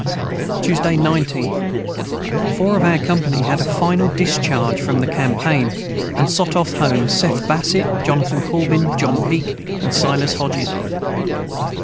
Tuesday 19th. 4 of our company had a final discharge from the Campain & sot of home Seth Bassit Jonathan Corbin John Peak & Silas Hoges.